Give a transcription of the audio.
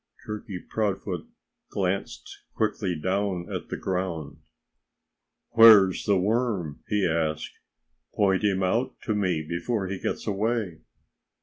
Turkey Proudfoot glanced quickly down at the ground. "Where's the worm?" he asked. "Point him out to me before he gets away."